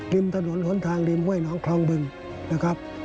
ริมถนนหนทางริมห้วยน้องคลองบึงนะครับ